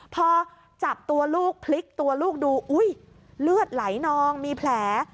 พอจับตัวลูกพลิกตัวลูกดูอุ้ยเลือดไหลนองมีแผล